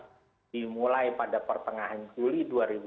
maka kalau tatap muka terbatas dimulai pada pertengahan juli dua ribu dua puluh satu